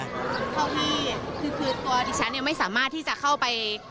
เท่าที่คือตัวดิฉันไม่สามารถที่จะเข้าไป